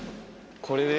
これです。